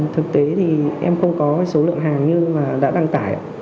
thực tế thì em không có số lượng hàng như mà đã đăng tải